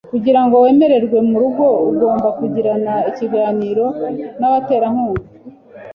Kugirango wemererwe murugo ugomba kugirana ikiganiro nabaterankunga.